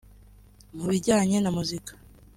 Mu bijyane na muzika